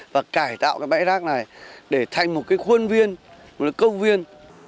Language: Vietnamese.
và cải tạo cái bãi rác này để thành một cái khuôn viên một cái câu viên